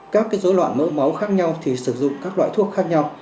các dối loạn mỡ máu khác nhau thì sử dụng các loại thuốc khác nhau